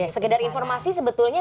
sekedar informasi sebetulnya